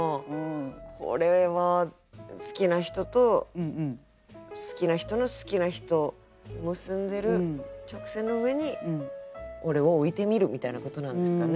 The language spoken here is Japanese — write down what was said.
これは好きな人と好きな人の好きな人を結んでる直線の上に俺を置いてみるみたいなことなんですかね。